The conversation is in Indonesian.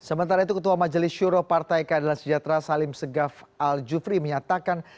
sementara itu ketua majelis syuro partai keadilan sejahtera salim segaf al jufri menyatakan